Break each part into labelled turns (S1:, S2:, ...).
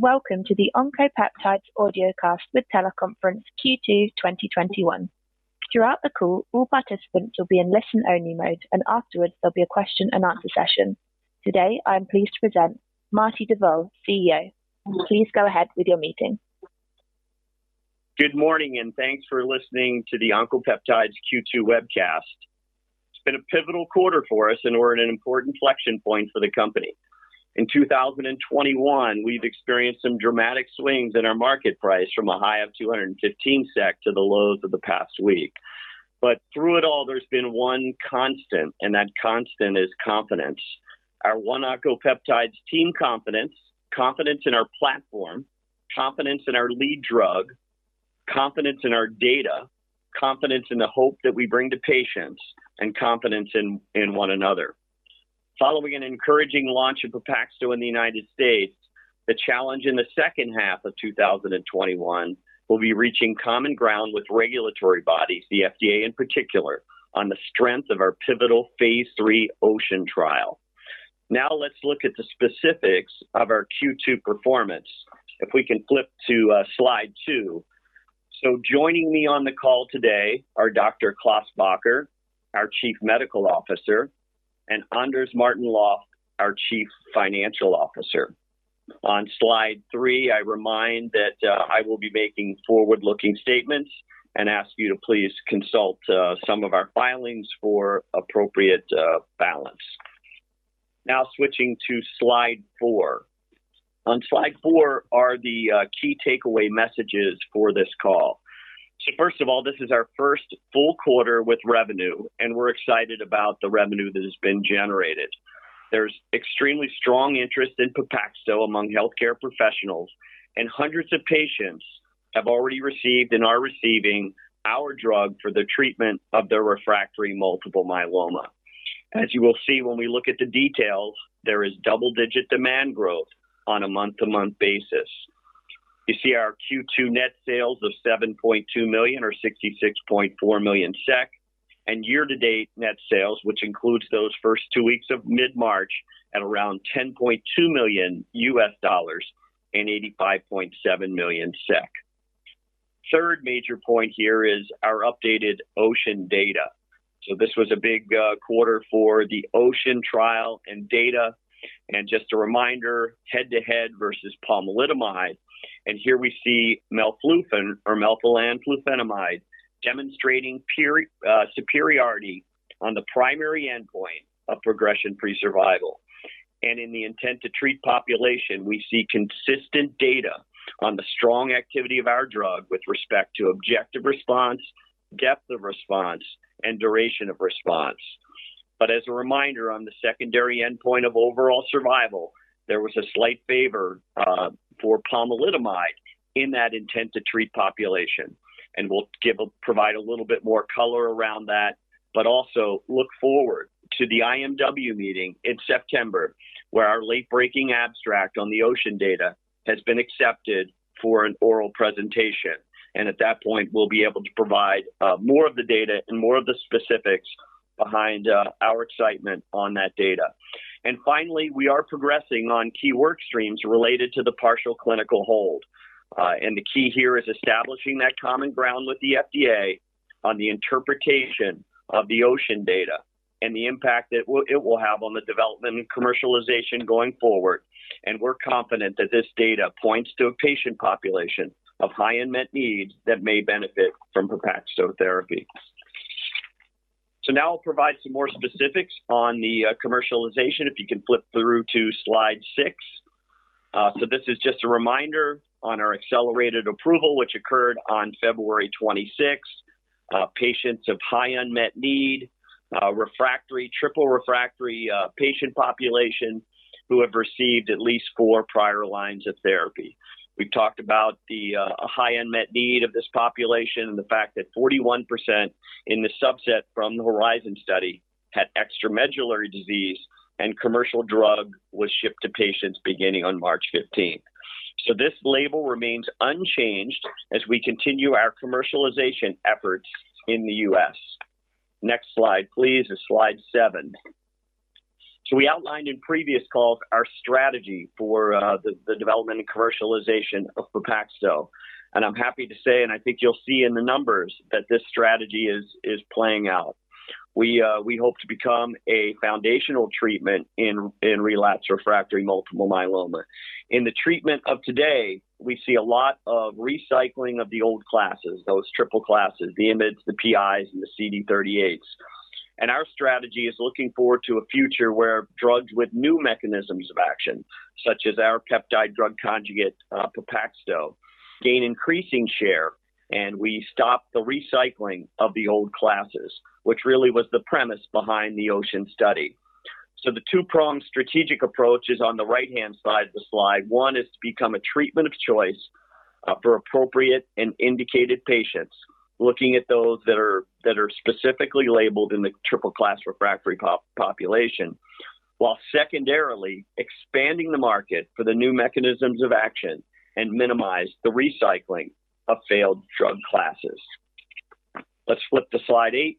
S1: Welcome to the Oncopeptides Audio Cast with Teleconference Q2 2021. Throughout the call, all participants will be in listen-only mode, and afterwards, there'll be a question and answer session. Today, I'm pleased to present Marty Duvall, CEO. Please go ahead with your meeting.
S2: Good morning. Thanks for listening to the Oncopeptides Q2 webcast. It's been a pivotal quarter for us, and we're at an important inflection point for the company. In 2021, we've experienced some dramatic swings in our market price from a high of 215 SEK to the lows of the past week. Through it all, there's been one constant, and that constant is confidence. Our one Oncopeptides team confidence in our platform, confidence in our lead drug, confidence in our data, confidence in the hope that we bring to patients, and confidence in one another. Following an encouraging launch of Pepaxto in the U.S., the challenge in the second half of 2021 will be reaching common ground with regulatory bodies, the FDA in particular, on the strength of our pivotal phase III OCEAN trial. Let's look at the specifics of our Q2 performance. If we can flip to slide two. Joining me on the call today are Dr. Klaas Bakker, our Chief Medical Officer, and Anders Martin-Löf, our Chief Financial Officer. On slide three, I remind that I will be making forward-looking statements and ask you to please consult some of our filings for appropriate balance. Now switching to slide four. On slide four are the key takeaway messages for this call. First of all, this is our first full quarter with revenue, and we're excited about the revenue that has been generated. There's extremely strong interest in Pepaxto among healthcare professionals, and hundreds of patients have already received and are receiving our drug for the treatment of their refractory multiple myeloma. As you will see when we look at the details, there is double-digit demand growth on a month-to-month basis. You see our Q2 net sales of 7.2 million or 66.4 million SEK, year-to-date net sales, which includes those first two weeks of mid-March, at around $10.2 million and 85.7 million SEK. Third major point here is our updated OCEAN data. This was a big quarter for the OCEAN trial and data. Just a reminder, head-to-head versus pomalidomide. Here we see melflufen or melphalan flufenamide demonstrating superiority on the primary endpoint of progression-free survival. In the intent-to-treat population, we see consistent data on the strong activity of our drug with respect to objective response, depth of response, and duration of response. As a reminder, on the secondary endpoint of overall survival, there was a slight favor for pomalidomide in that intent-to-treat population. We'll provide a little bit more color around that, but also look forward to the IMW meeting in September, where our late-breaking abstract on the OCEAN data has been accepted for an oral presentation. At that point, we'll be able to provide more of the data and more of the specifics behind our excitement on that data. Finally, we are progressing on key work streams related to the partial clinical hold. The key here is establishing that common ground with the FDA on the interpretation of the OCEAN data and the impact that it will have on the development and commercialization going forward. We're confident that this data points to a patient population of high unmet need that may benefit from Pepaxto therapy. Now I'll provide some more specifics on the commercialization, if you can flip through to slide six. This is just a reminder on our accelerated approval, which occurred on February 26th. Patients of high unmet need, triple-class refractory patient population who have received at least four prior lines of therapy. We've talked about the high unmet need of this population and the fact that 41% in the subset from the HORIZON study had extramedullary disease, and commercial drug was shipped to patients beginning on March 15th. This label remains unchanged as we continue our commercialization efforts in the U.S. Next slide, please, is slide seven. We outlined in previous calls our strategy for the development and commercialization of Pepaxto, and I'm happy to say, and I think you'll see in the numbers, that this strategy is playing out. We hope to become a foundational treatment in relapsed refractory multiple myeloma. In the treatment of today, we see a lot of recycling of the old classes, those triple classes, the IMiDs, the PIs, and the CD38s. Our strategy is looking forward to a future where drugs with new mechanisms of action, such as our peptide drug conjugate, Pepaxto, gain increasing share, and we stop the recycling of the old classes, which really was the premise behind the OCEAN study. The two-pronged strategic approach is on the right-hand side of the slide. One is to become a treatment of choice for appropriate and indicated patients, looking at those that are specifically labeled in the triple-class refractory population, while secondarily expanding the market for the new mechanisms of action and minimize the recycling of failed drug classes. Let's flip to slide eight.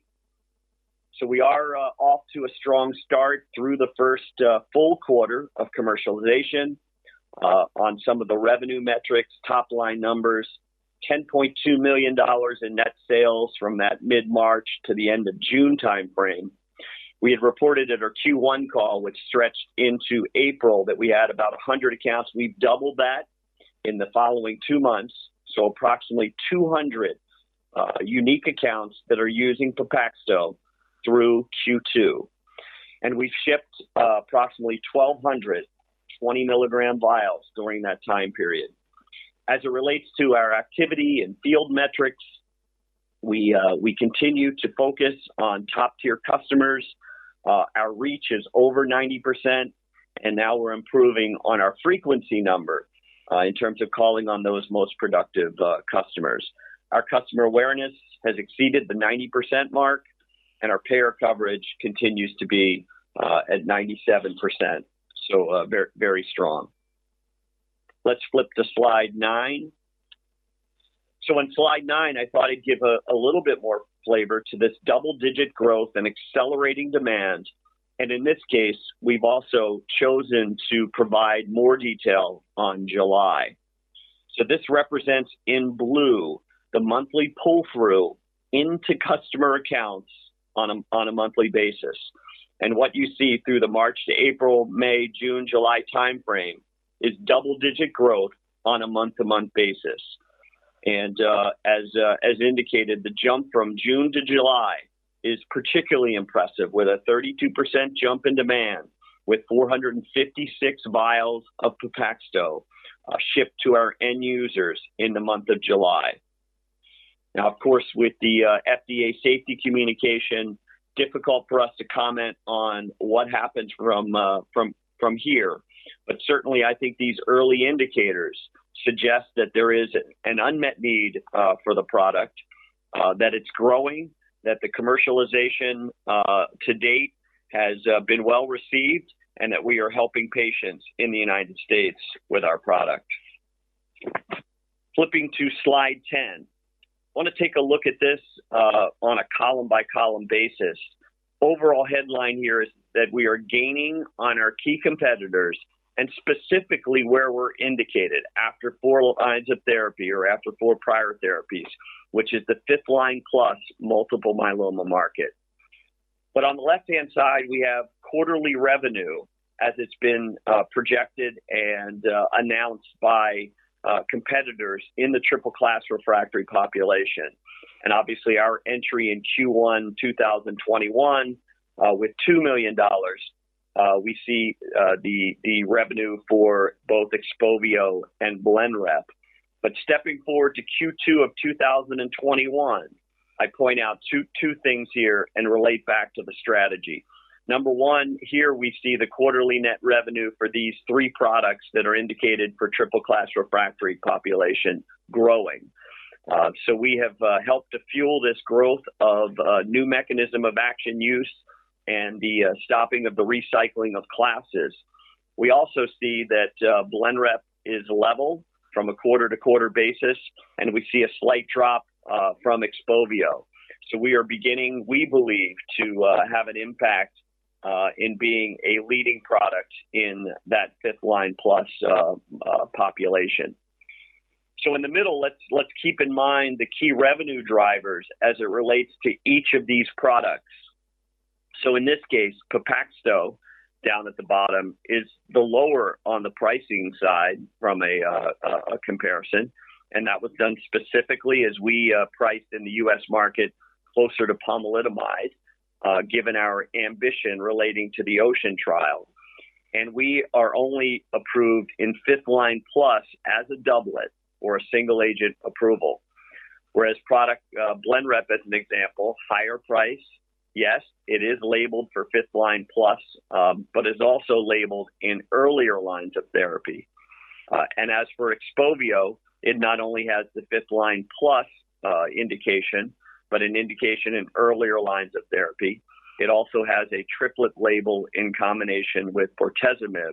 S2: We are off to a strong start through the first full quarter of commercialization on some of the revenue metrics, top-line numbers, $10.2 million in net sales from that mid-March to the end of June timeframe. We had reported at our Q1 call, which stretched into April, that we had about 100 accounts. We've doubled that in the following two months, so approximately 200 unique accounts that are using Pepaxto through Q2, and we've shipped approximately 1,200 20-milligram vials during that time period. As it relates to our activity and field metrics, we continue to focus on top-tier customers. Our reach is over 90%, and now we're improving on our frequency number in terms of calling on those most productive customers. Our customer awareness has exceeded the 90% mark, and our payer coverage continues to be at 97%, so very strong. Let's flip to slide nine. On slide nine, I thought I'd give a little bit more flavor to this double-digit growth and accelerating demand. In this case, we've also chosen to provide more detail on July. This represents in blue the monthly pull-through into customer accounts on a monthly basis. What you see through the March to April, May, June, July timeframe is double-digit growth on a month-to-month basis. As indicated, the jump from June to July is particularly impressive with a 32% jump in demand with 456 vials of Pepaxto shipped to our end users in the month of July. Now, of course, with the FDA safety communication, difficult for us to comment on what happens from here. Certainly, I think these early indicators suggest that there is an unmet need for the product, that it's growing, that the commercialization to date has been well-received, and that we are helping patients in the U.S. with our product. Flipping to slide 10. Want to take a look at this on a column-by-column basis. Overall headline here is that we are gaining on our key competitors, and specifically where we're indicated after four lines of therapy or after four prior therapies, which is the 5th line plus multiple myeloma market. On the left-hand side, we have quarterly revenue as it's been projected and announced by competitors in the triple-class refractory population. Obviously, our entry in Q1 2021, with $2 million, we see the revenue for both XPOVIO and BLENREP. Stepping forward to Q2 of 2021, I point out two things here and relate back to the strategy. Number one, here we see the quarterly net revenue for these three products that are indicated for triple-class refractory population growing. We have helped to fuel this growth of new mechanism of action use and the stopping of the recycling of classes. We also see that BLENREP is level from a quarter-to-quarter basis, and we see a slight drop from XPOVIO. We are beginning, we believe, to have an impact in being a leading product in that 5th line plus population. In the middle, let's keep in mind the key revenue drivers as it relates to each of these products. In this case, Pepaxto, down at the bottom, is the lower on the pricing side from a comparison, and that was done specifically as we priced in the U.S. market closer to pomalidomide, given our ambition relating to the OCEAN trial. We are only approved in 5th line plus as a doublet or a single-agent approval. Whereas product BLENREP, as an example, higher price, yes, it is labeled for 5th line plus, but is also labeled in earlier lines of therapy. As for XPOVIO, it not only has the 5th line plus indication, but an indication in earlier lines of therapy. It also has a triplet label in combination with bortezomib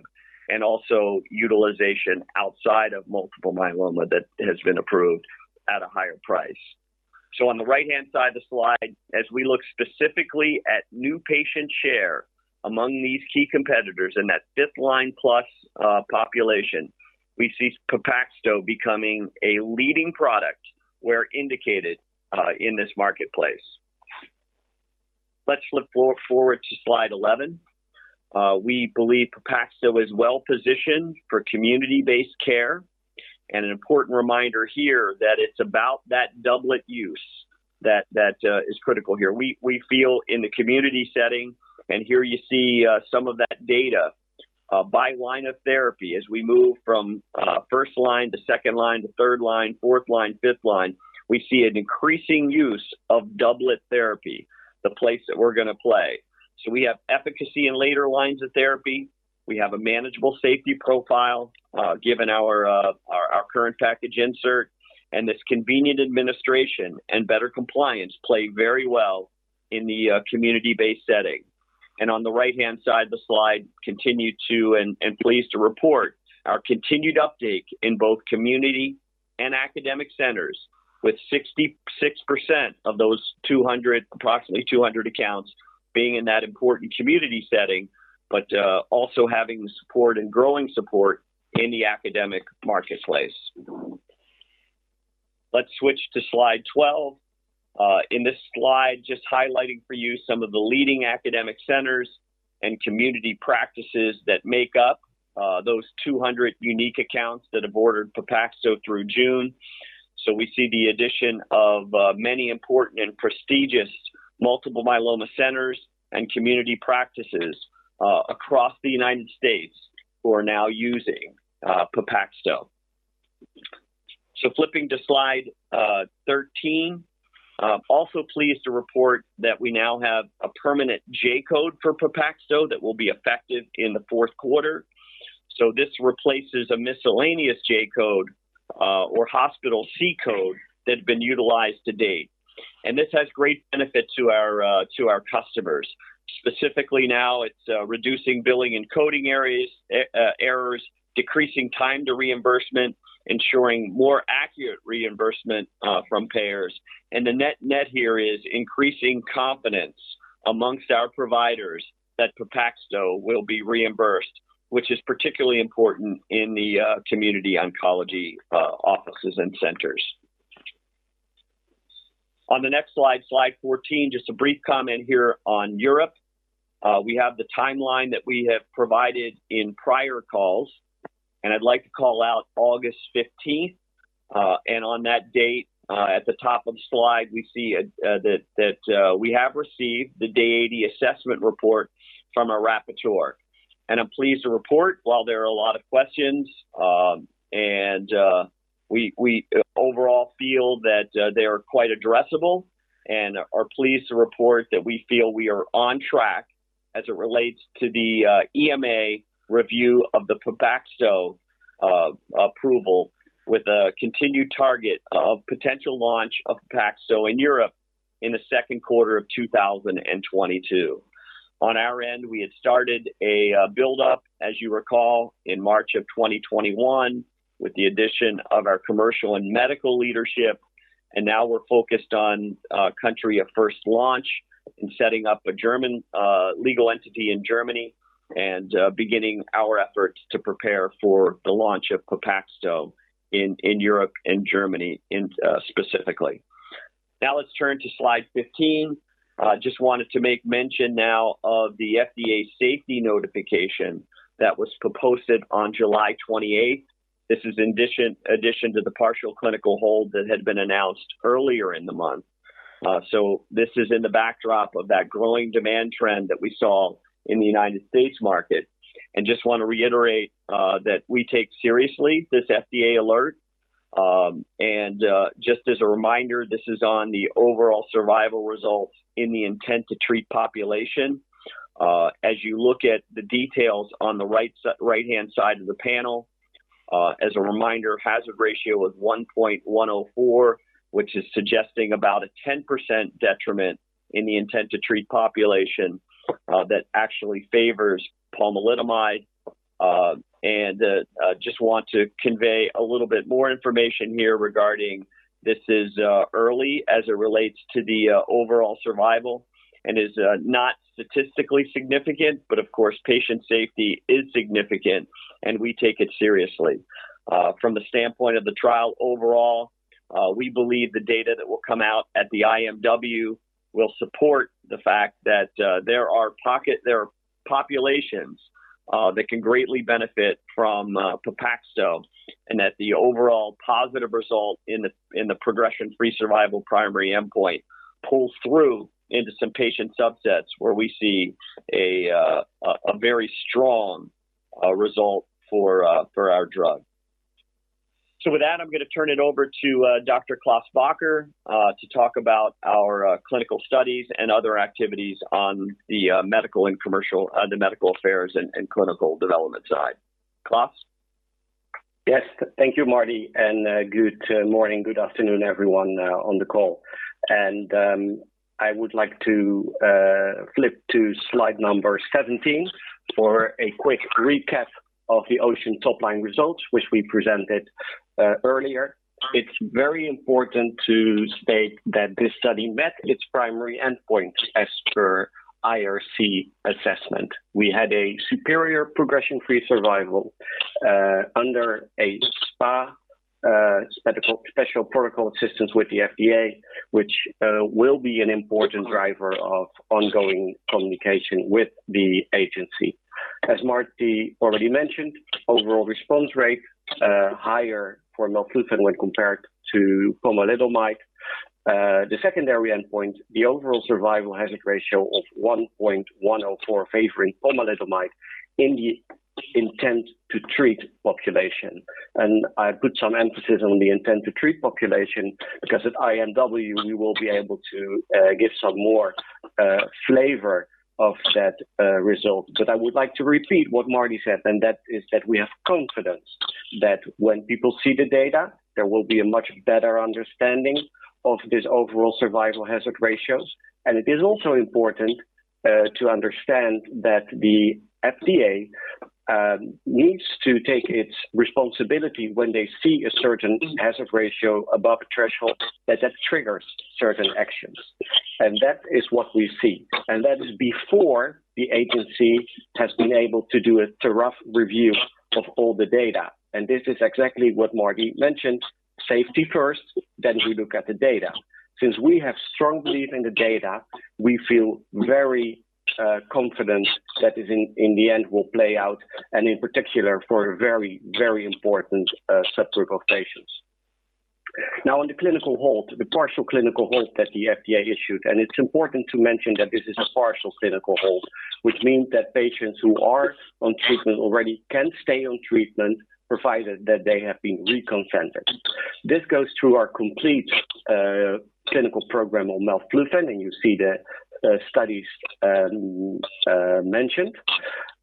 S2: and also utilization outside of multiple myeloma that has been approved at a higher price. On the right-hand side of the slide, as we look specifically at new patient share among these key competitors in that fifth line plus population, we see Pepaxto becoming a leading product where indicated in this marketplace. Let's flip forward to slide 11. We believe Pepaxto is well-positioned for community-based care, and an important reminder here that it's about that doublet use that is critical here. We feel in the community setting, and here you see some of that data by line of therapy as we move from first line to second line to third line, fourth line, fifth line. We see an increasing use of doublet therapy, the place that we're going to play. We have efficacy in later lines of therapy. We have a manageable safety profile, given our current package insert, and this convenient administration and better compliance play very well in the community-based setting. On the right-hand side of the slide, continue to and pleased to report our continued uptake in both community and academic centers with 66% of those approximately 200 accounts being in that important community setting, but also having the support and growing support in the academic marketplace. Let's switch to slide 12. In this slide, just highlighting for you some of the leading academic centers and community practices that make up those 200 unique accounts that have ordered Pepaxto through June. We see the addition of many important and prestigious multiple myeloma centers and community practices across the U.S. who are now using Pepaxto. Flipping to slide 13. Pleased to report that we now have a permanent J-code for Pepaxto that will be effective in the 4th quarter. This replaces a miscellaneous J-code, or hospital C-code that had been utilized to date. This has great benefit to our customers. Specifically now it's reducing billing and coding errors, decreasing time to reimbursement, ensuring more accurate reimbursement from payers. The net here is increasing confidence amongst our providers that Pepaxto will be reimbursed, which is particularly important in the community oncology offices and centers. On the next slide 14, just a brief comment here on Europe. We have the timeline that we have provided in prior calls, and I'd like to call out August 15th. On that date, at the top of the slide, we see that we have received the Day 80 assessment report from our rapporteur. I'm pleased to report, while there are a lot of questions, and we overall feel that they are quite addressable and are pleased to report that we feel we are on track as it relates to the EMA review of the Pepaxto approval with a continued target of potential launch of Pepaxto in Europe in the second quarter of 2022. On our end, we had started a buildup, as you recall, in March 2021 with the addition of our commercial and medical leadership. Now we're focused on country of first launch and setting up a German legal entity in Germany and beginning our efforts to prepare for the launch of Pepaxto in Europe and Germany specifically. Let's turn to slide 15. Just wanted to make mention now of the FDA safety notification that was proposed on July 28th. This is in addition to the partial clinical hold that had been announced earlier in the month. This is in the backdrop of that growing demand trend that we saw in the U.S. market. Just want to reiterate that we take seriously this FDA alert. Just as a reminder, this is on the overall survival results in the intent-to-treat population. As you look at the details on the right-hand side of the panel, as a reminder, hazard ratio of 1.104, which is suggesting about a 10% detriment in the intent-to-treat population that actually favors pomalidomide. Just want to convey a little bit more information here regarding this is early as it relates to the overall survival and is not statistically significant, but of course, patient safety is significant, and we take it seriously. From the standpoint of the trial overall, we believe the data that will come out at the IMW will support the fact that there are populations that can greatly benefit from Pepaxto, and that the overall positive result in the progression-free survival primary endpoint pulls through into some patient subsets where we see a very strong result for our drug. With that, I'm going to turn it over to Dr. Klaas Bakker to talk about our clinical studies and other activities on the medical affairs and clinical development side. Klaas?
S3: Yes. Thank you, Marty. Good morning. Good afternoon, everyone on the call. I would like to flip to slide 17 for a quick recap of the OCEAN top-line results, which we presented earlier. It's very important to state that this study met its primary endpoint as per IRC assessment. We had a superior progression-free survival under a SPA, Special Protocol Assessment with the FDA, which will be an important driver of ongoing communication with the agency. As Marty already mentioned, overall response rate higher for melflufen when compared to pomalidomide. The secondary endpoint, the overall survival hazard ratio of 1.104 favoring pomalidomide in the intent-to-treat population. I put some emphasis on the intent-to-treat population because at IMW, we will be able to give some more flavor of that result. I would like to repeat what Marty said, and that is that we have confidence that when people see the data, there will be a much better understanding of these overall survival hazard ratios. It is also important to understand that the FDA needs to take its responsibility when they see a certain hazard ratio above a threshold that triggers certain actions. That is what we see. That is before the agency has been able to do a thorough review of all the data. This is exactly what Marty mentioned, safety first, then we look at the data. Since we have strong belief in the data, we feel very confident that in the end will play out, and in particular for a very, very important subgroup of patients. In the clinical hold, the partial clinical hold that the FDA issued, and it's important to mention that this is a partial clinical hold, which means that patients who are on treatment already can stay on treatment provided that they have been re-consented. This goes through our complete clinical program on melflufen and you see the studies mentioned.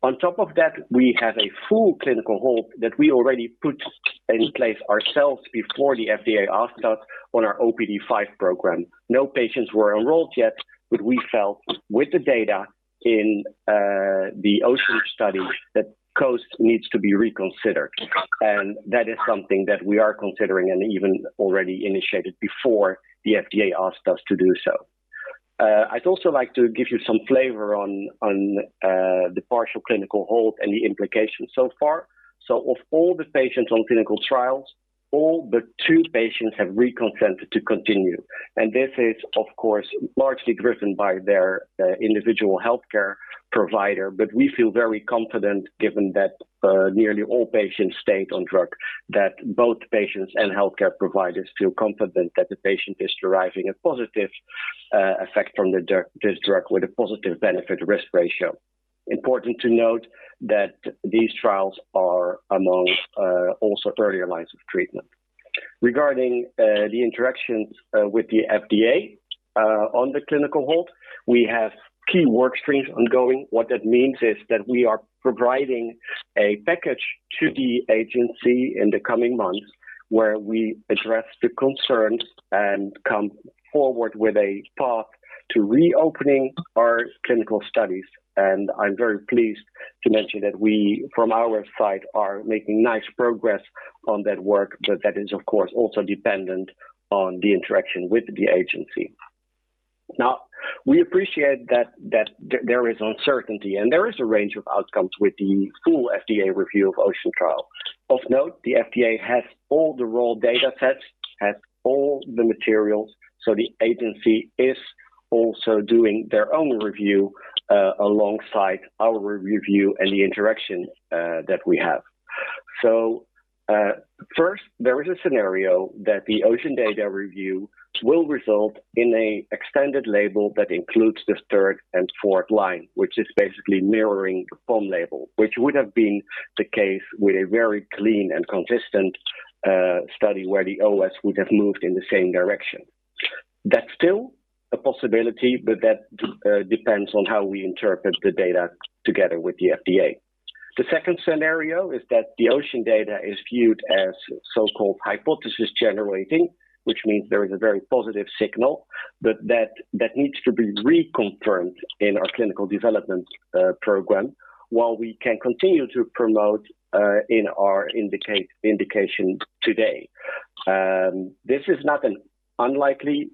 S3: On top of that, we have a full clinical hold that we already put in place ourselves before the FDA asked us on our OPD5 program. No patients were enrolled yet, we felt with the data in the OCEAN study that course needs to be reconsidered. That is something that we are considering and even already initiated before the FDA asked us to do so. I'd also like to give you some flavor on the partial clinical hold and the implications so far. Of all the patients on clinical trials, all but two patients have re-consented to continue. This is, of course, largely driven by their individual healthcare provider. We feel very confident, given that nearly all patients stayed on drug, that both patients and healthcare providers feel confident that the patient is deriving a positive effect from this drug with a positive benefit to risk ratio. Important to note that these trials are among also earlier lines of treatment. Regarding the interactions with the FDA on the clinical hold, we have key work streams ongoing. What that means is that we are providing a package to the agency in the coming months where we address the concerns and come forward with a path to reopening our clinical studies. I'm very pleased to mention that we, from our side, are making nice progress on that work, but that is, of course, also dependent on the interaction with the agency. We appreciate that there is uncertainty and there is a range of outcomes with the full FDA review of OCEAN trial. The FDA has all the raw data sets, has all the materials, so the agency is also doing their own review alongside our review and the interactions that we have. First, there is a scenario that the OCEAN data review will result in an extended label that includes the third and fourth line, which is basically mirroring the POM label, which would have been the case with a very clean and consistent study where the OS would have moved in the same direction. That's still a possibility, but that depends on how we interpret the data together with the FDA. The second scenario is that the OCEAN data is viewed as so-called hypothesis-generating, which means there is a very positive signal, but that needs to be reconfirmed in our clinical development program while we can continue to promote in our indication today. This is not an unlikely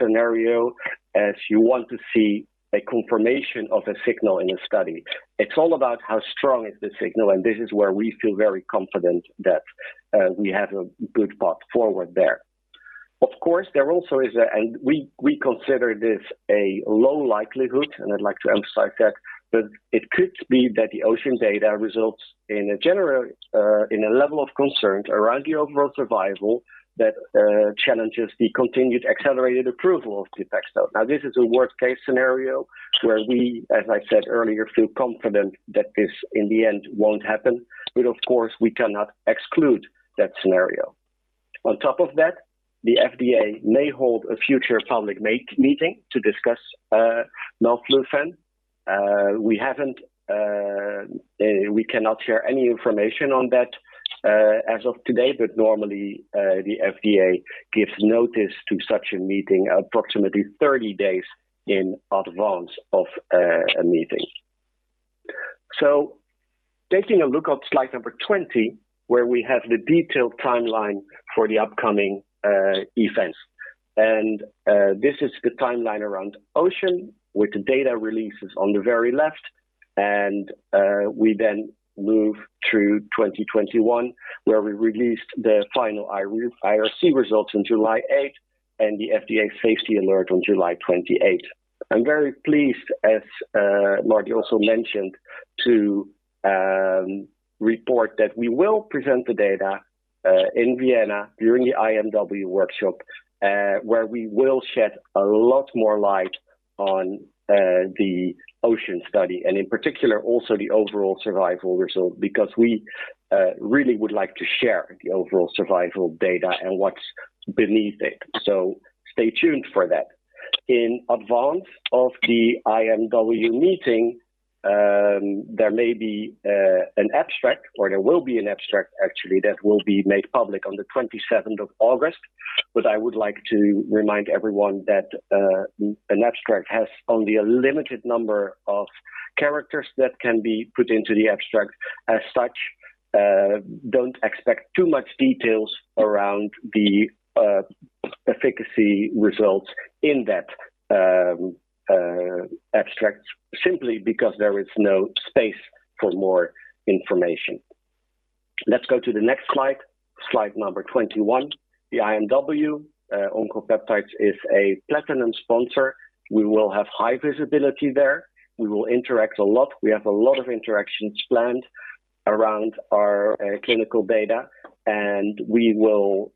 S3: scenario as you want to see a confirmation of a signal in a study. It's all about how strong is the signal. This is where we feel very confident that we have a good path forward there. Of course, there also is. We consider this a low likelihood, and I'd like to emphasize that. It could be that the OCEAN data results in a level of concern around the overall survival that challenges the continued accelerated approval of Pepaxto. This is a worst-case scenario where we, as I said earlier, feel confident that this, in the end, won't happen. Of course, we cannot exclude that scenario. On top of that, the FDA may hold a future public meeting to discuss melflufen. We cannot share any information on that as of today, normally the FDA gives notice to such a meeting approximately 30 days in advance of a meeting. Taking a look at slide number 20 where we have the detailed timeline for the upcoming events. This is the timeline around OCEAN with the data releases on the very left. We then move through 2021 where we released the final IRC results on July 8th and the FDA safety alert on July 28th. I'm very pleased, as Marty also mentioned, to report that we will present the data in Vienna during the IMW workshop where we will shed a lot more light on the OCEAN study and in particular also the overall survival result because we really would like to share the overall survival data and what's beneath it. Stay tuned for that. In advance of the IMW meeting, there may be an abstract, or there will be an abstract actually that will be made public on the 27th of August. I would like to remind everyone that an abstract has only a limited number of characters that can be put into the abstract. As such, don't expect too much details around the efficacy results in that abstract, simply because there is no space for more information. Let's go to the next slide number 21. The IMW, Oncopeptides is a platinum sponsor. We will have high visibility there. We will interact a lot. We have a lot of interactions planned around our clinical data, and we will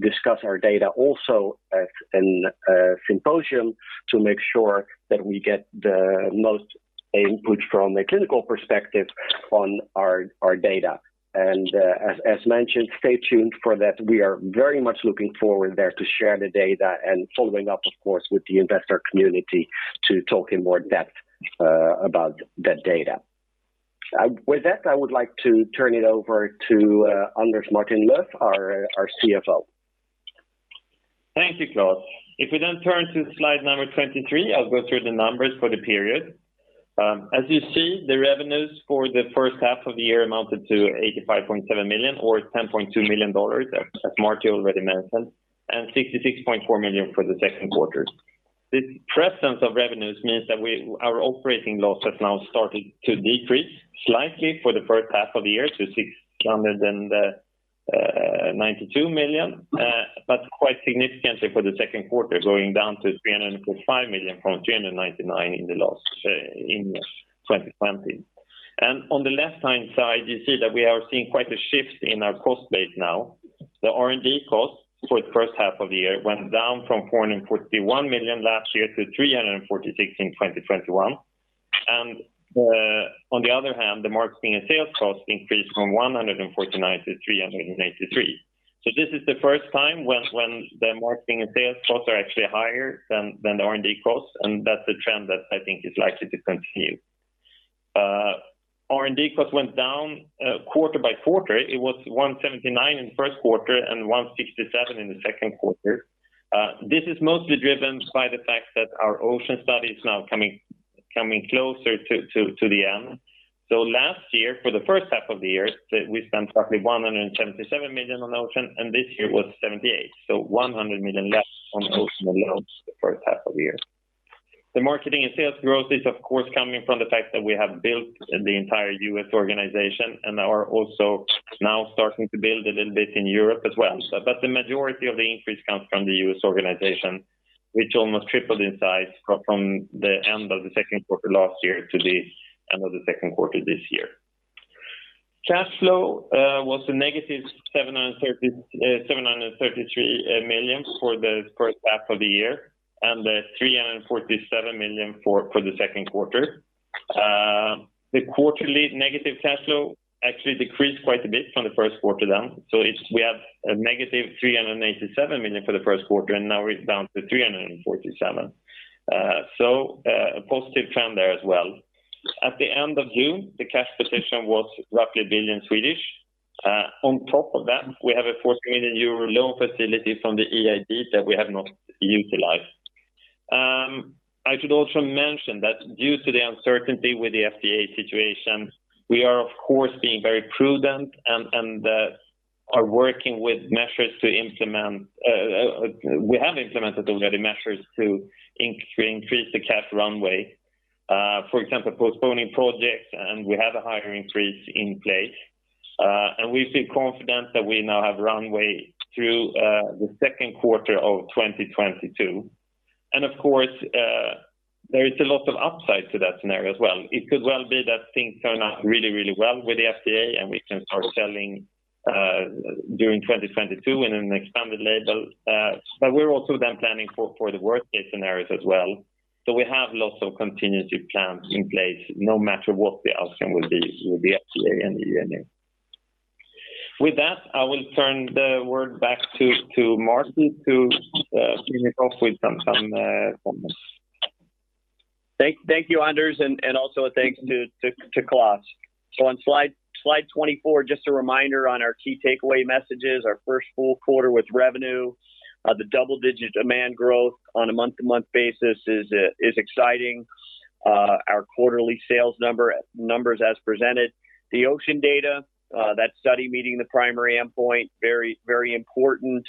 S3: discuss our data also at an symposium to make sure that we get the most input from a clinical perspective on our data. As mentioned, stay tuned for that. We are very much looking forward there to share the data and following up, of course, with the investor community to talk in more depth about that data. With that, I would like to turn it over to Anders Martin-Löf, our CFO.
S4: Thank you, Klaas. If we turn to slide 23, I'll go through the numbers for the period. As you see, the revenues for the first half of the year amounted to 85.7 million or $10.2 million, as Marty already mentioned, and 66.4 million for the second quarter. This presence of revenues means that our operating loss has now started to decrease slightly for the first half of the year to 692 million. Quite significantly for the second quarter, going down to 305 million from 399 million in 2020. On the left-hand side, you see that we are seeing quite a shift in our cost base now. The R&D cost for the first half of the year went down from 441 million last year to 346 million in 2021. On the other hand, the marketing and sales cost increased from 149 million to 393 million. This is the first time when the marketing and sales costs are actually higher than the R&D costs, and that's a trend that I think is likely to continue. R&D cost went down quarter by quarter. It was 179 million in the first quarter and 167 million in the second quarter. This is mostly driven by the fact that our OCEAN study is now coming closer to the end. Last year, for the first half of the year, we spent roughly 177 million on OCEAN, and this year was 78 million. 100 million less on OCEAN alone for the first half of the year. The marketing and sales growth is, of course, coming from the fact that we have built the entire U.S. organization and are also now starting to build a little bit in Europe as well. The majority of the increase comes from the U.S. organization, which almost tripled in size from the end of the second quarter last year to the end of the second quarter this year. Cash flow was a negative 733 million for the first half of the year and 347 million for the second quarter. The quarterly negative cash flow actually decreased quite a bit from the first quarter then. We have a negative 387 million for the first quarter, and now we're down to 347. A positive trend there as well. At the end of June, the cash position was roughly 1 billion. On top of that, we have a 400 million euro loan facility from the EIB that we have not utilized. I should also mention that due to the uncertainty with the FDA situation, we are, of course, being very prudent and have implemented already measures to increase the cash runway. For example, postponing projects, and we have a hiring freeze in place. We feel confident that we now have runway through the second quarter of 2022. Of course, there is a lot of upside to that scenario as well. It could well be that things turn out really, really well with the FDA, and we can start selling during 2022 in an expanded label. We're also then planning for the worst-case scenarios as well. We have lots of contingency plans in place no matter what the outcome will be with the FDA and EMA. With that, I will turn the word back to Marty to finish off with some comments.
S2: Thank you, Anders, and also a thanks to Klaas Bakker. On slide 24, just a reminder on our key takeaway messages. Our first full quarter with revenue. The double-digit demand growth on a month-to-month basis is exciting. Our quarterly sales numbers as presented. The OCEAN data, that study meeting the primary endpoint, very important.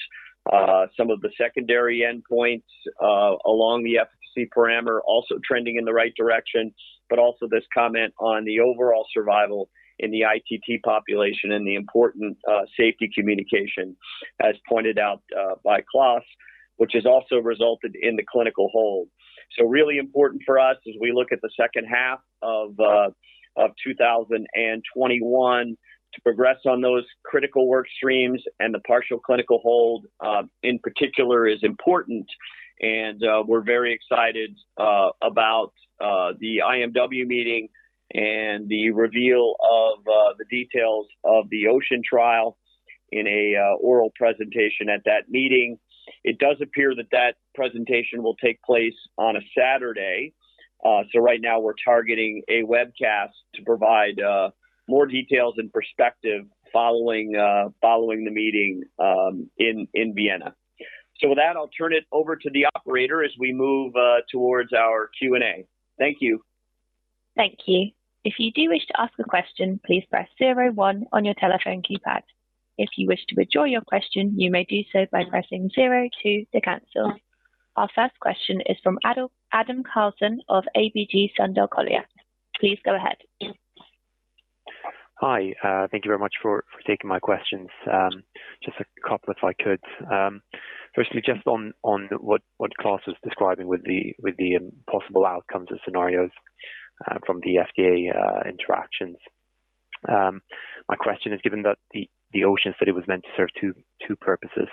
S2: Some of the secondary endpoints along the efficacy parameter also trending in the right direction, also this comment on the overall survival in the ITT population and the important safety communication as pointed out by Klaas Bakker, which has also resulted in the clinical hold. Really important for us as we look at the second half of 2021 to progress on those critical work streams and the partial clinical hold in particular is important and we're very excited about the IMW meeting and the reveal of the details of the OCEAN trial in an oral presentation at that meeting. It does appear that that presentation will take place on a Saturday. Right now we're targeting a webcast to provide more details and perspective following the meeting in Vienna. With that, I'll turn it over to the operator as we move towards our Q&A. Thank you.
S1: Thank you. If you do wish to ask a question, please press 01 on your telephone keypad. If you wish to withdraw your question, you may do so by pressing 02 to cancel. Our first question is from Adam Karlsson of ABG Sundal Collier. Please go ahead.
S5: Hi. Thank you very much for taking my questions. Just a couple if I could. Firstly, just on what Klaas Bakker was describing with the possible outcomes and scenarios from the FDA interactions. My question is, given that the OCEAN study was meant to serve two purposes,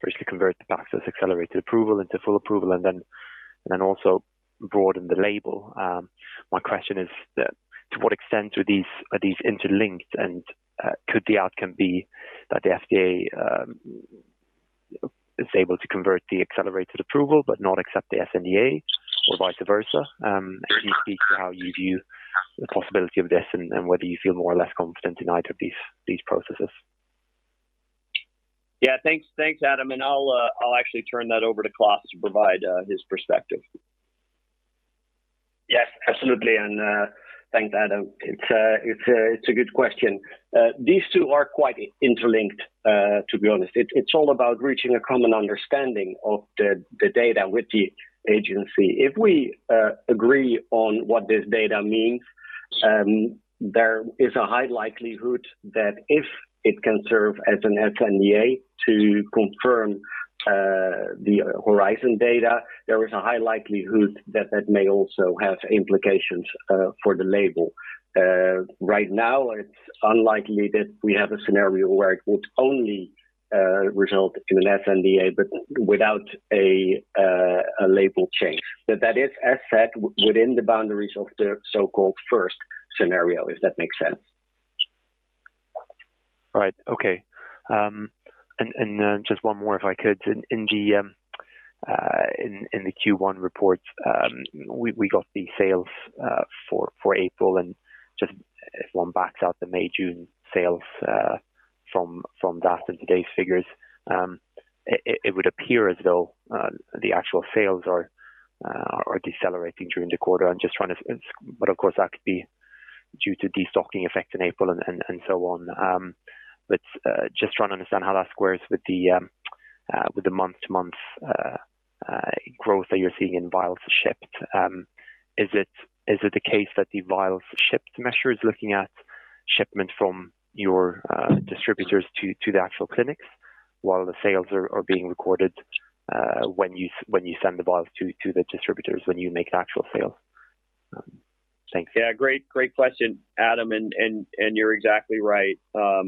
S5: firstly, convert the Pepaxto accelerated approval into full approval and then also broaden the label. My question is that to what extent are these interlinked and could the outcome be that the FDA is able to convert the accelerated approval but not accept the sNDA or vice versa? Can you speak to how you view the possibility of this and whether you feel more or less confident in either of these processes?
S2: Yeah. Thanks, Adam. I'll actually turn that over to Klaas to provide his perspective.
S3: Yes, absolutely. Thanks, Adam. It's a good question. These two are quite interlinked, to be honest. It's all about reaching a common understanding of the data with the agency. If we agree on what this data means, there is a high likelihood that if it can serve as an sNDA to confirm the HORIZON data, there is a high likelihood that that may also have implications for the label. Right now, it's unlikely that we have a scenario where it would only result in an sNDA, but without a label change. That is, as said, within the boundaries of the so-called first scenario, if that makes sense.
S5: Right. Okay. Just one more if I could. In the Q1 reports, we got the sales for April and just if one backs out the May, June sales from that and today's figures, it would appear as though the actual sales are decelerating during the quarter. Of course, that could be due to destocking effect in April and so on. Just trying to understand how that squares with the month-to-month growth that you're seeing in vials shipped. Is it the case that the vials shipped measure is looking at shipment from your distributors to the actual clinics while the sales are being recorded when you send the vials to the distributors when you make an actual sale? Thanks.
S2: Yeah, great question, Adam, and you're exactly right. As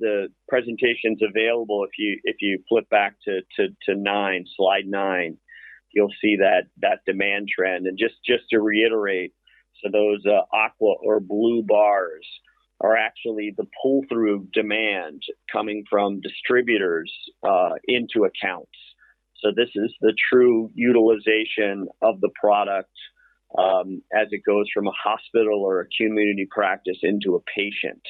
S2: the presentation's available, if you flip back to slide nine, you'll see that demand trend. Just to reiterate, so those aqua or blue bars are actually the pull-through demand coming from distributors into accounts. This is the true utilization of the product as it goes from a hospital or a community practice into a patient.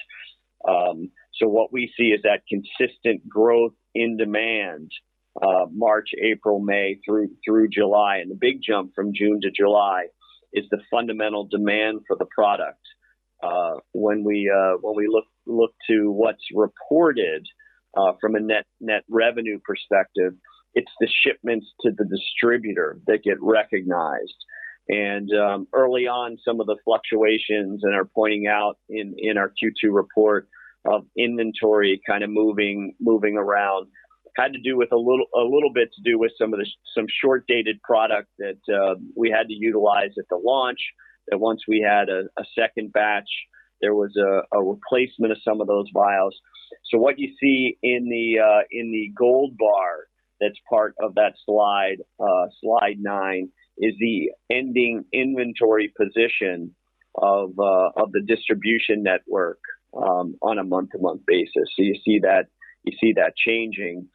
S2: What we see is that consistent growth in demand March, April, May through July, and the big jump from June to July is the fundamental demand for the product. When we look to what's reported from a net revenue perspective, it's the shipments to the distributor that get recognized. Early on, some of the fluctuations and are pointing out in our Q2 report of inventory kind of moving around, a little bit to do with some short-dated product that we had to utilize at the launch. That once we had a second batch, there was a replacement of some of those vials. What you see in the gold bar that's part of that slide nine, is the ending inventory position of the distribution network on a month-to-month basis. You see that changing.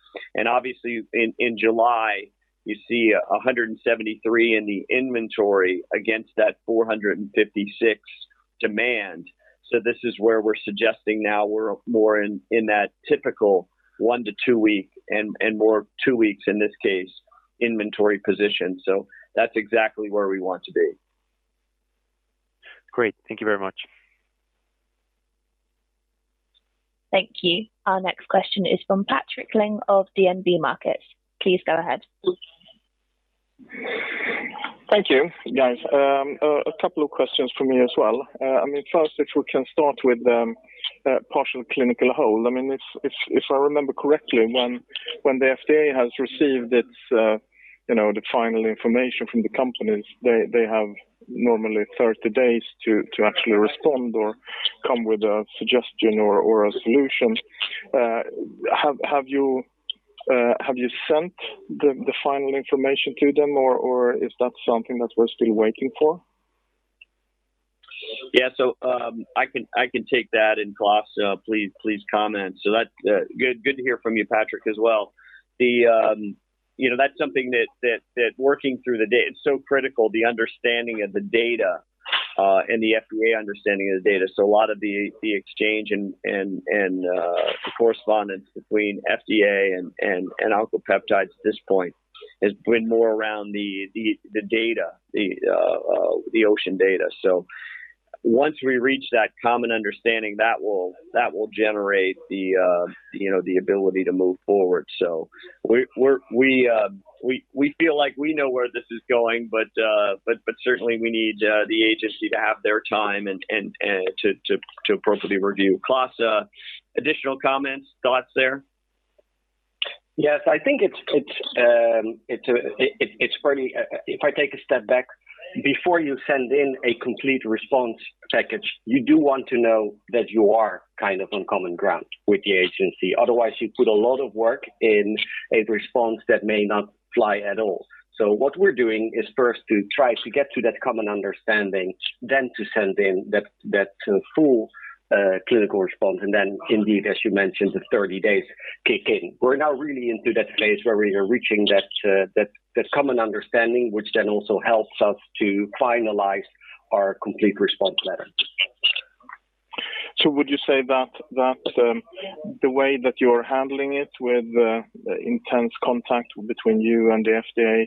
S2: Obviously in July you see 173 in the inventory against that 456 demand. This is where we're suggesting now we're more in that typical one to two-weeks and more two weeks in this case inventory position. That's exactly where we want to be.
S5: Great. Thank you very much.
S1: Thank you. Our next question is from Patrik Ling of DNB Markets. Please go ahead.
S6: Thank you, guys. A couple of questions from me as well. First, if we can start with partial clinical hold. If I remember correctly, when the FDA has received the final information from the companies, they have normally 30 days to actually respond or come with a suggestion or a solution. Have you sent the final information to them, or is that something that we're still waiting for?
S2: Yeah. I can take that, and Klaas, please comment. That's good to hear from you, Patrik, as well. That's something that working through the data, it's so critical the understanding of the data and the FDA understanding of the data. A lot of the exchange and the correspondence between FDA and Oncopeptides at this point has been more around the data, the OCEAN data. Once we reach that common understanding, that will generate the ability to move forward. We feel like we know where this is going, but certainly we need the agency to have their time and to appropriately review. Klaas, additional comments, thoughts there?
S3: Yes, I think if I take a step back, before you send in a complete response package, you do want to know that you are on common ground with the agency. Otherwise, you put a lot of work in a response that may not fly at all. What we're doing is first to try to get to that common understanding, then to send in that full clinical response, and then indeed, as you mentioned, the 30 days kick in. We're now really into that phase where we are reaching that common understanding, which then also helps us to finalize our complete response letter.
S6: Would you say that the way that you're handling it with the intense contact between you and the FDA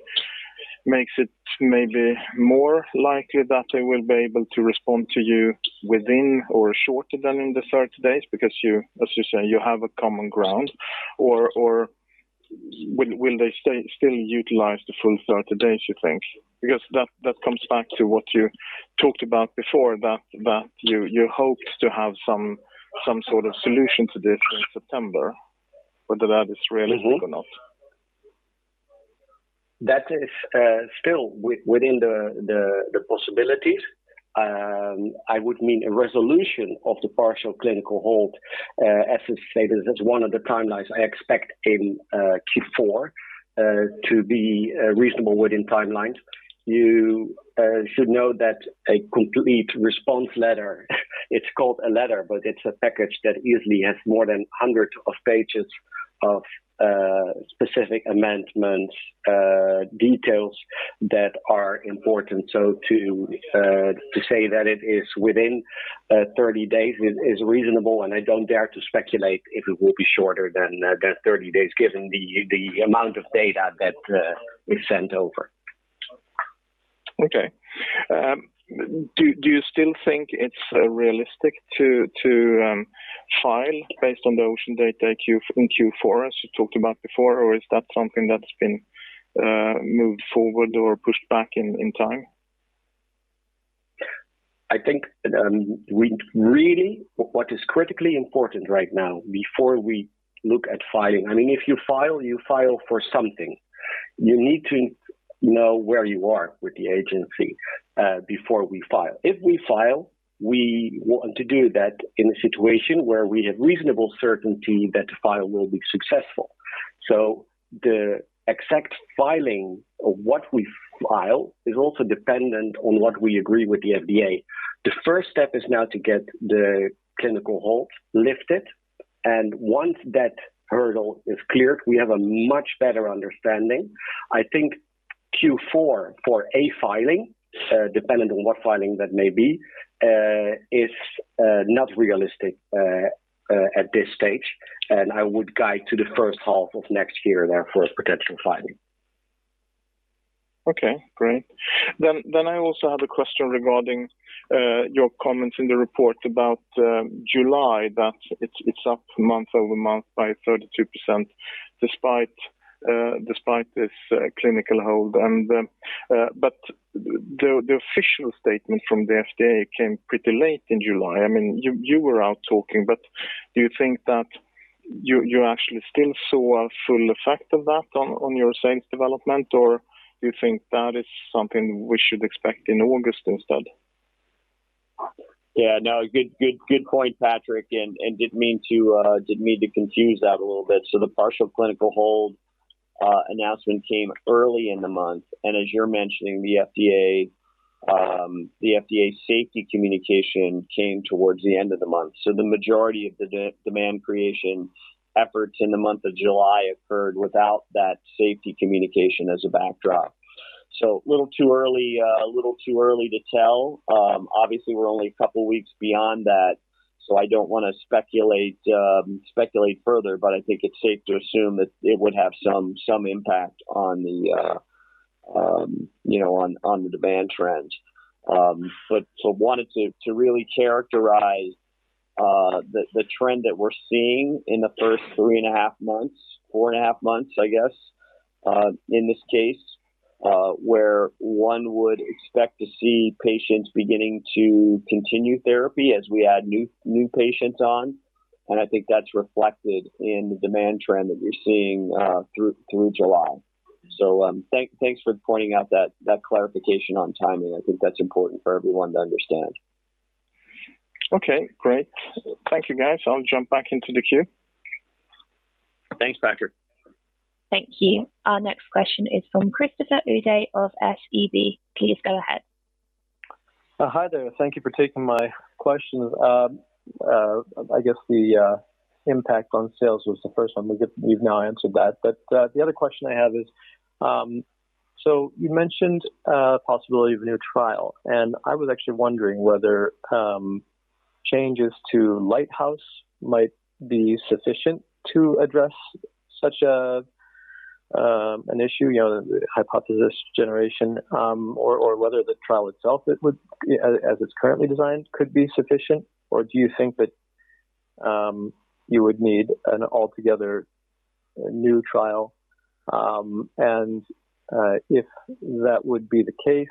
S6: makes it maybe more likely that they will be able to respond to you within or shorter than in the 30 days because as you say, you have a common ground, or will they still utilize the full 30 days, you think? That comes back to what you talked about before, that you hoped to have some sort of solution to this in September, whether that is realistic or not.
S3: That is still within the possibilities. I mean a resolution of the partial clinical hold as it stated. That's one of the timelines I expect in Q4 to be reasonable within timelines. You should know that a complete response letter, it's called a letter, but it's a package that easily has more than hundreds of pages of specific amendments, details that are important. To say that it is within 30 days is reasonable, and I don't dare to speculate if it will be shorter than 30 days given the amount of data that we sent over.
S6: Okay. Do you still think it's realistic to file based on the OCEAN data in Q4, as you talked about before, or is that something that's been moved forward or pushed back in time?
S3: I think really what is critically important right now before we look at filing, if you file, you file for something. You need to know where you are with the agency before we file. If we file, we want to do that in a situation where we have reasonable certainty that the file will be successful. The exact filing of what we file is also dependent on what we agree with the FDA. The first step is now to get the clinical hold lifted, and once that hurdle is cleared, we have a much better understanding. I think Q4 for a filing, dependent on what filing that may be, is not realistic at this stage, and I would guide to the first half of next year there for a potential filing.
S6: Okay, great. I also have a question regarding your comments in the report about July, that it's up month-over-month by 32% despite this clinical hold. The official statement from the FDA came pretty late in July. You were out talking, but do you think that you actually still saw a full effect of that on your sales development, or do you think that is something we should expect in August instead?
S2: Good point, Patrik, didn't mean to confuse that a little bit. The partial clinical hold announcement came early in the month, as you're mentioning, the FDA safety communication came towards the end of the month. The majority of the demand creation efforts in the month of July occurred without that safety communication as a backdrop. A little too early to tell. Obviously, we're only a couple weeks beyond that, I don't want to speculate further, I think it's safe to assume that it would have some impact on the demand trend. Wanted to really characterize the trend that we're seeing in the first three and a half months, four and a half months, I guess. In this case, where one would expect to see patients beginning to continue therapy as we add new patients on, and I think that's reflected in the demand trend that we're seeing through July. Thanks for pointing out that clarification on timing. I think that's important for everyone to understand.
S6: Okay, great. Thank you, guys. I'll jump back into the queue.
S2: Thanks, Patrik.
S1: Thank you. Our next question is from Christopher Uhde of SEB. Please go ahead.
S7: Hi there. Thank you for taking my questions. I guess the impact on sales was the first one. You've now answered that. The other question I have is, you mentioned possibility of a new trial, and I was actually wondering whether changes to LIGHTHOUSE might be sufficient to address such an issue, the hypothesis generation, or whether the trial itself as it's currently designed could be sufficient. Do you think that you would need an altogether new trial? If that would be the case,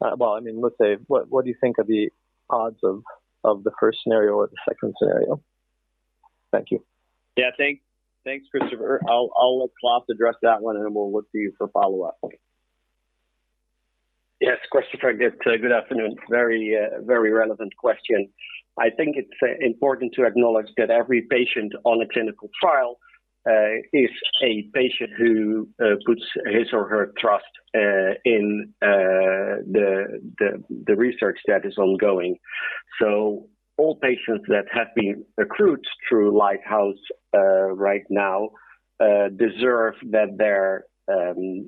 S7: let's say, what do you think are the odds of the first scenario or the second scenario? Thank you.
S2: Thanks, Christopher. I'll let Klaas address that one and then we'll look to you for follow-up.
S3: Yes, Christopher, good afternoon. Very relevant question. I think it's important to acknowledge that every patient on a clinical trial is a patient who puts his or her trust in the research that is ongoing. All patients that have been recruits through LIGHTHOUSE right now deserve that their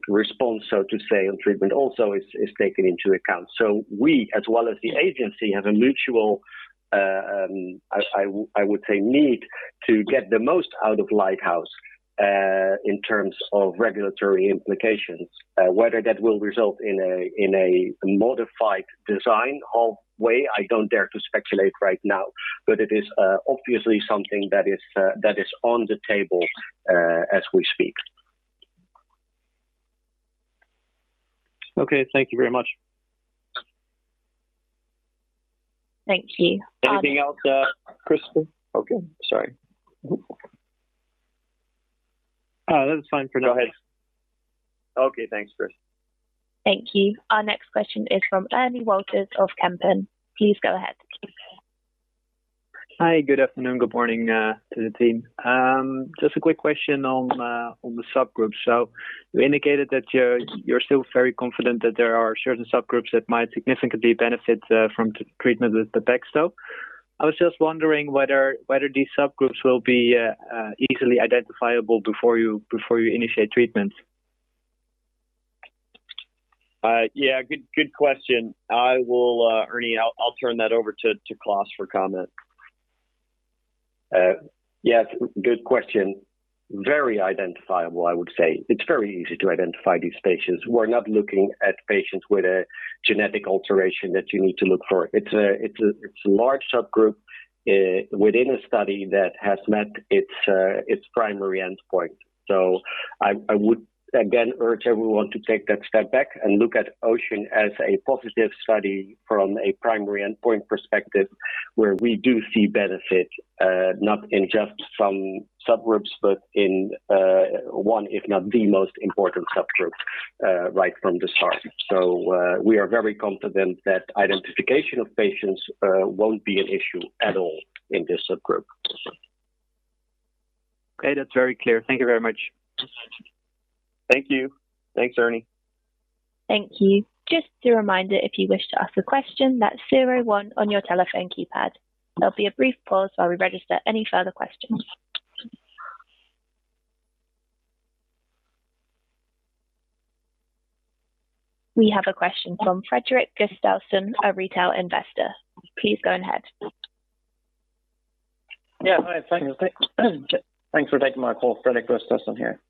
S3: response, so to say, on treatment also is taken into account. We, as well as the agency, have a mutual, I would say, need to get the most out of LIGHTHOUSE in terms of regulatory implications. Whether that will result in a modified design of way, I don't dare to speculate right now. It is obviously something that is on the table as we speak.
S7: Okay. Thank you very much.
S1: Thank you.
S2: Anything else, Christopher? Okay, sorry.
S7: That's fine for now.
S2: Go ahead. Okay, thanks Chris.
S1: Thank you. Our next question is from Ernie Wouters of Kempen. Please go ahead.
S8: Hi, good afternoon, good morning to the team. Just a quick question on the subgroups. You indicated that you're still very confident that there are certain subgroups that might significantly benefit from treatment with Pepaxto. I was just wondering whether these subgroups will be easily identifiable before you initiate treatment.
S2: Yeah. Good question. Ernie, I'll turn that over to Klaas for comment.
S3: Yes. Good question. Very identifiable, I would say. It's very easy to identify these patients. We're not looking at patients with a genetic alteration that you need to look for. It's a large subgroup within a study that has met its primary endpoint. I would again urge everyone to take that step back and look at OCEAN as a positive study from a primary endpoint perspective where we do see benefit, not in just some subgroups, but in one, if not the most important subgroup right from the start. We are very confident that identification of patients won't be an issue at all in this subgroup.
S8: Okay. That's very clear. Thank you very much.
S2: Thank you. Thanks, Ernie.
S1: Thank you. Just a reminder, if you wish to ask a question, that's zero one on your telephone keypad. There will be a brief pause while we register any further questions. We have a question from Fredrik Gustafsson, a retail investor. Please go ahead.
S9: Yeah. Hi, thanks for taking my call. Fredrik Gustafsson here.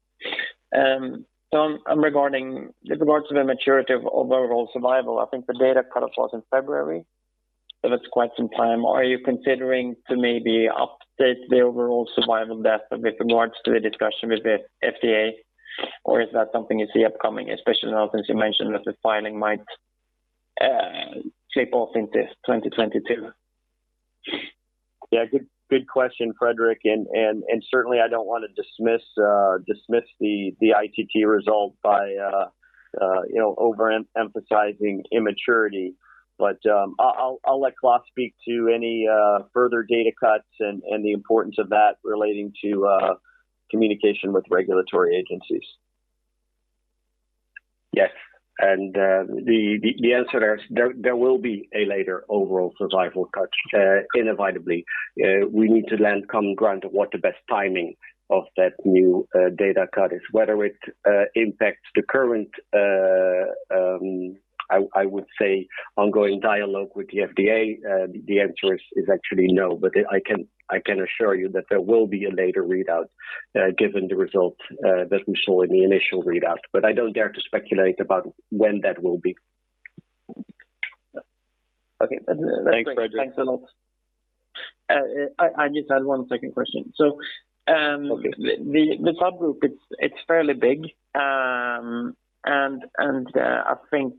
S9: With regards to the maturity of overall survival, I think the data cut-off was in February, so that's quite some time. Are you considering to maybe update the overall survival data with regards to the discussion with the FDA? Or is that something you see upcoming, especially now since you mentioned that the filing might slip off into 2022?
S2: Yeah. Good question, Fredrik, certainly I don't want to dismiss the ITT result by over-emphasizing immaturity. I'll let Klaas speak to any further data cuts and the importance of that relating to communication with regulatory agencies.
S3: Yes. The answer there is, there will be a later overall survival cut, inevitably. We need to come to grant of what the best timing of that new data cut is. Whether it impacts the current, I would say, ongoing dialogue with the FDA, the answer is actually no. I can assure you that there will be a later readout given the result that we saw in the initial readout. I don't dare to speculate about when that will be.
S9: Okay.
S2: Thanks, Fredrik.
S9: Thanks a lot. I just had one second question.
S2: Okay.
S9: The subgroup, it's fairly. I think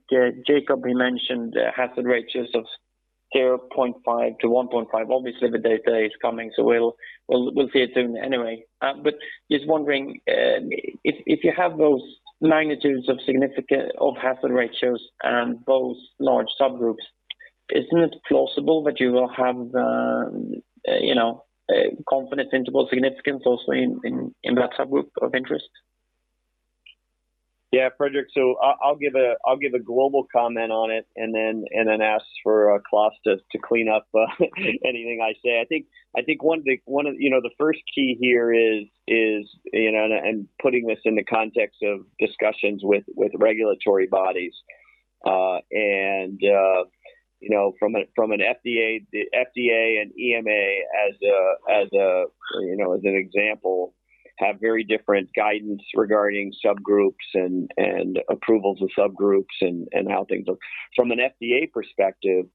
S9: Jakob mentioned hazard ratios of 0.5-1.5. Obviously, the data is coming, so we'll see it soon anyway. Just wondering, if you have those magnitudes of significant hazard ratios and those large subgroups, isn't it plausible that you will have confidence interval significance also in that subgroup of interest?
S2: Yeah, Fredrik. I'll give a global comment on it and then ask for Klaas to clean up anything I say. I think the first key here is, and putting this in the context of discussions with regulatory bodies. From an FDA and EMA as an example, have very different guidance regarding subgroups and approvals of subgroups and how things are. From an FDA perspective,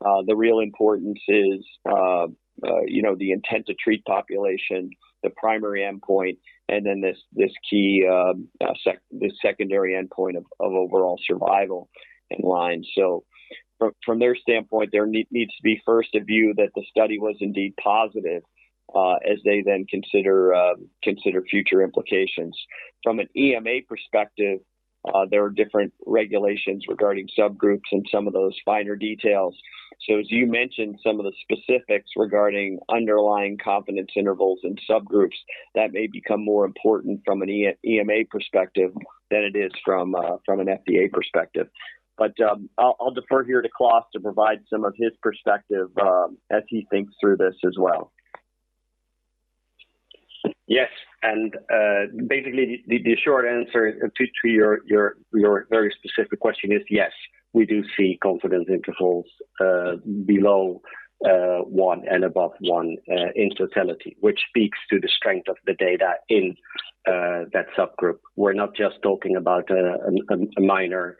S2: the real importance is the intent-to-treat population, the primary endpoint, and then this key secondary endpoint of overall survival in line. From their standpoint, there needs to be first a view that the study was indeed positive as they then consider future implications. From an EMA perspective, there are different regulations regarding subgroups and some of those finer details. As you mentioned, some of the specifics regarding underlying confidence intervals and subgroups, that may become more important from an EMA perspective than it is from an FDA perspective. I'll defer here to Klaas Bakker to provide some of his perspective as he thinks through this as well.
S3: Yes. Basically, the short answer to your very specific question is yes, we do see confidence intervals below one and above one in totality, which speaks to the strength of the data in that subgroup. We're not just talking about a minor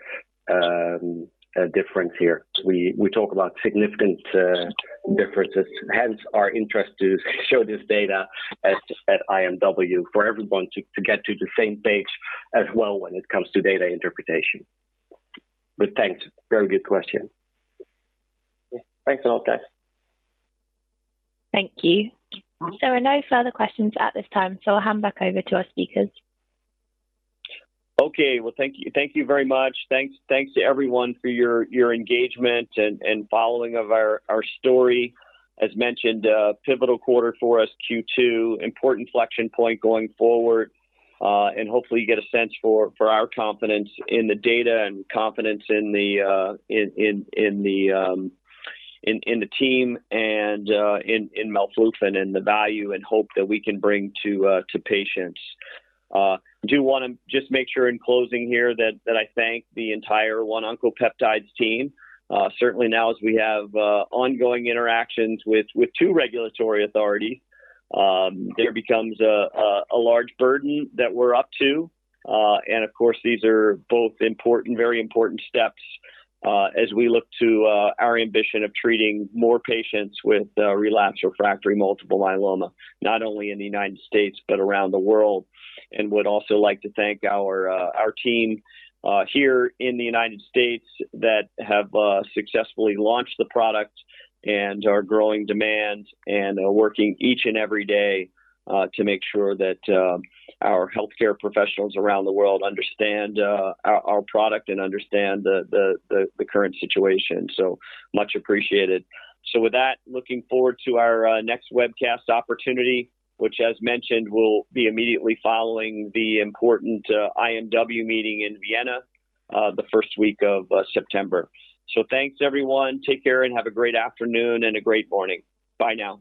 S3: difference here. We talk about significant differences, hence our interest to show this data at IMW for everyone to get to the same page as well when it comes to data interpretation. Thanks. Very good question.
S9: Thanks a lot, Klaas.
S1: Thank you. There are no further questions at this time. I'll hand back over to our speakers.
S2: Okay. Well, thank you very much. Thanks to everyone for your engagement and following of our story. As mentioned, pivotal quarter for us, Q2, important inflection point going forward. Hopefully, you get a sense for our confidence in the data and confidence in the team and in melphalan and the value and hope that we can bring to patients. Do want to just make sure in closing here that I thank the entire Oncopeptides team. Certainly now as we have ongoing interactions with two regulatory authority, there becomes a large burden that we're up to. Of course, these are both very important steps as we look to our ambition of treating more patients with relapsed refractory multiple myeloma, not only in the United States, but around the world. Would also like to thank our team here in the U.S. that have successfully launched the product and are growing demand and are working each and every day to make sure that our healthcare professionals around the world understand our product and understand the current situation. Much appreciated. With that, looking forward to our next webcast opportunity, which as mentioned, will be immediately following the important IMW meeting in Vienna the first week of September. Thanks, everyone. Take care and have a great afternoon and a great morning. Bye now.